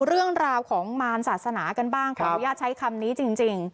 เรื่องราวของมารศาสนากันบ้างขออนุญาตใช้คำนี้จริง